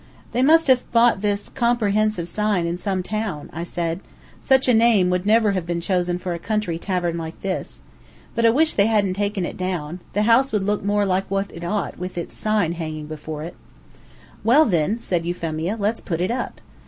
"They must have bought this comprehensive sign in some town," I said. "Such a name would never have been chosen for a country tavern like this. But I wish they hadn't taken it down. The house would look more like what it ought to be with its sign hanging before it." "Well, then," said Euphemia, "let's put it up."